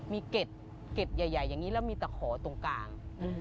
มีเกร็ดใหญ่อย่างนี้แล้วมีตะขอตรงกลาง